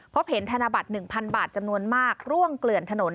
พบเห็นธนบัตร๑๐๐บาทจำนวนมากร่วงเกลื่อนถนน